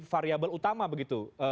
variabel utama begitu